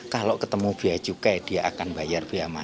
kalau ketemu biaya cukai dia akan bayar biaya masuk